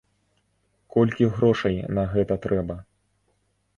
Колькі грошай на гэта трэба?